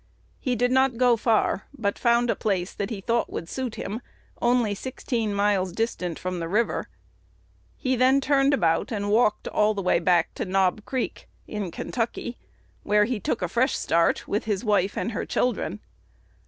He did not go far, but found a place that he thought would suit him only sixteen miles distant from the river. He then turned about, and walked all the way back to Knob Creek, in Kentucky, where he took a fresh start with his wife and her children.